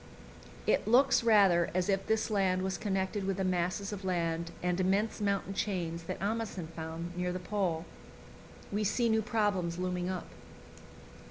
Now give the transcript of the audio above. It looks rather as if this land was connected with the masses of land and immense mountain chains that Amundsen found near the Pole. We see new problems looming up.